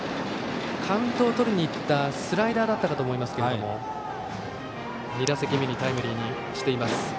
カウントをとりにいったスライダーだったかと思いますが２打席目にタイムリーにしています。